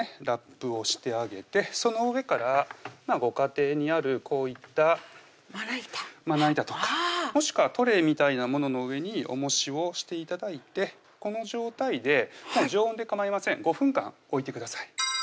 ラップをしてあげてその上からご家庭にあるこういったまな板まな板とかもしくはトレーみたいな物の上におもしをして頂いてこの状態で常温でかまいません５分間おいてください